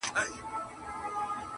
o غر که لوړ دئ، لار پر د پاسه ده!